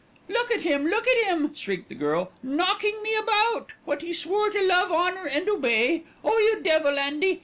"Look at 'im! Look at 'im!" shrieked the girl, "knocking me about, what he swore to love, honour and obey. Oh, you devil, Andy!